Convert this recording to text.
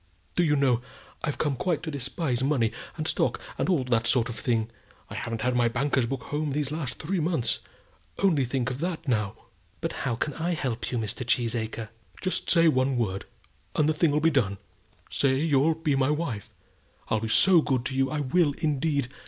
Do you know, I've come quite to despise money and stock, and all that sort of thing. I haven't had my banker's book home these last three months. Only think of that now." "But how can I help you, Mr. Cheesacre?" "Just say one word, and the thing'll be done. Say you'll be my wife? I'll be so good to you. I will, indeed.